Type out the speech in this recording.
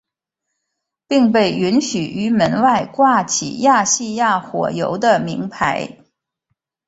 并被允许于门外挂起亚细亚火油的铭牌。